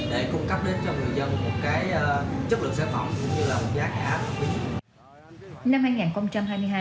để cung cấp đến cho người dân một cái chất lượng sản phẩm